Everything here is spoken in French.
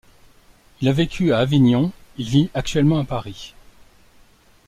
Il a vécu à Avignon, il vit actuellement à Paris.